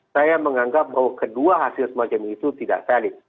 saya menganggap bahwa kedua hasil semacam itu tidak valid